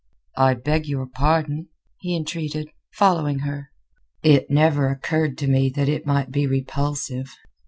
"I beg your pardon," he entreated, following her; "it never occurred to me that it might be repulsive."